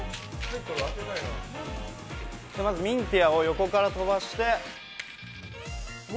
まずミンティアを横から飛ばして。